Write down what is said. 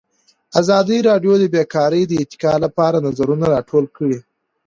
ازادي راډیو د بیکاري د ارتقا لپاره نظرونه راټول کړي.